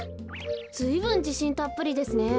ずいぶんじしんたっぷりですね。